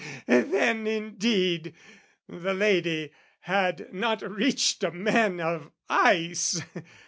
Then, indeed, The lady had not reached a man of ice!